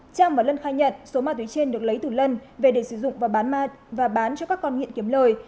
trang và lân khai nhận số ma túy trên được lấy từ lân về để sử dụng và bán và bán cho các con nghiện kiếm lời